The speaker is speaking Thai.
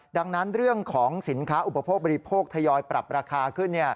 ดังนั้นเรื่องของสินค้าอุปโภคบริโภคทยอยปรับราคาขึ้น